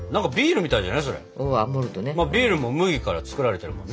まあビールも麦から造られてるもんね。